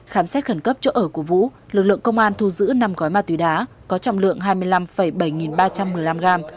khám xét khẩn cấp chỗ ở của vũ lực lượng công an thu giữ năm gói ma túy đá có trọng lượng hai mươi năm bảy nghìn ba trăm một mươi năm gram